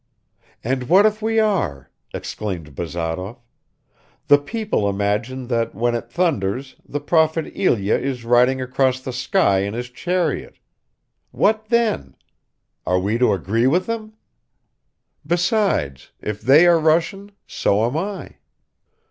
"And what if we are?" exclaimed Bazarov. "The people imagine that when it thunders the prophet Ilya is riding across the sky in his chariot. What then? Are we to agree with them? Besides, if they are Russian, so am I."